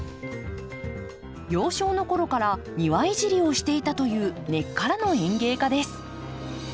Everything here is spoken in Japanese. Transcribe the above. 幼少の頃から庭いじりをしていたという根っからの園芸家です。